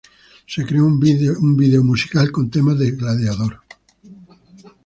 Se creó un video musical con temas de Gladiador.